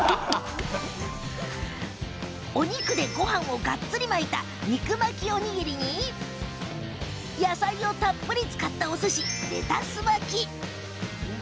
お肉でごはんをがっつり巻いた肉巻きおにぎりに野菜をたっぷり使ったおすしレタス巻き。